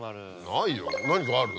ないよ何かある？